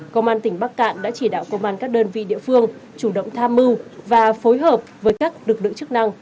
công an tỉnh bắc cạn đã chỉ đạo công an các đơn vị địa phương chủ động tham mưu và phối hợp với các lực lượng chức năng